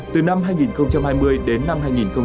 từ năm hai nghìn hai mươi đến năm hai nghìn hai mươi hai